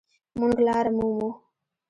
مونږ لاره مومو